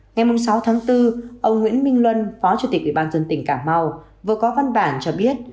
ngày sáu tháng bốn ông nguyễn minh luân phó chủ tịch ủy ban dân tỉnh cà mau vừa có văn bản cho biết